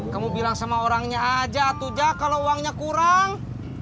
kamu bilang sama orangnya aja atau jak kalau uangnya kurang